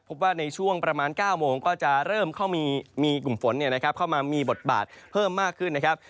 พบว่าในช่วงประมาณ๙โมงก็จะเริ่มเข้ามีกลุ่มฝนเข้ามามีบทบาทเพิ่มมากขึ้นนะครับ